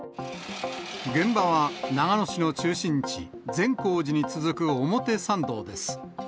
現場は長野市の中心地、善光寺に続く表参道です。